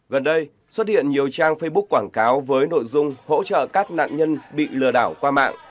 gần đây xuất hiện nhiều trang facebook quảng cáo với nội dung hỗ trợ các nạn nhân bị lừa đảo qua mạng